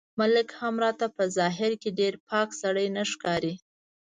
ملک هم راته په ظاهر کې ډېر پاک سړی نه ښکاري.